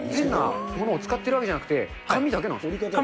ものを使っているわけじゃなくて、紙だけなんですか？